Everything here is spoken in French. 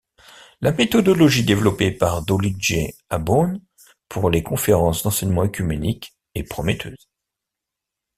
La méthodologie développée par Döllinger à Bonn pour les conférences d'enseignement œcuménique est prometteuse.